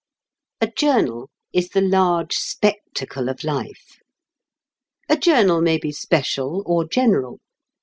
A journal is the large spectacle of life. A journal may be special or general.